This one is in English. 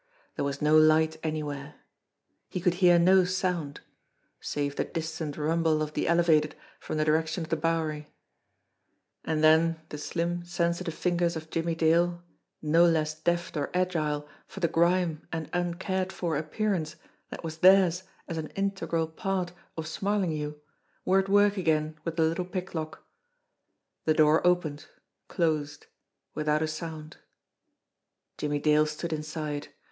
There was no light anywhere. He could hear no sound save the distant rumble of the elevated from the direction of the Bowery. And then the slim, sensitive fingers of Jimmie Dale, no less deft or agile for the grime and uncared for appearance that was theirs as an integral part 180 JIMMIE DALE AND THE PHANTOM CLUE of Smarlinghue, were at work again with the little pick lock. The door opened, closed without a sound. Jimmie Dale stood inside.